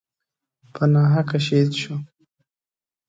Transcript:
په ناحقه شهید شو.